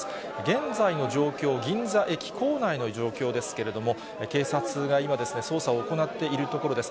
現在の状況、銀座駅構内の状況ですけれども、警察が今、捜査を行っているところです。